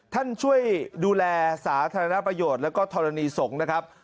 ช่วยดูแลสาธารณประโยชน์แล้วก็ธรณีสงฆ์นะครับ